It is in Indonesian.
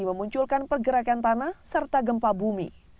memunculkan pergerakan tanah serta gempa bumi